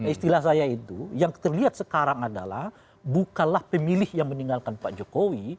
istilah saya itu yang terlihat sekarang adalah bukanlah pemilih yang meninggalkan pak jokowi